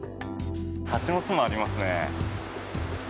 蜂の巣もありますね。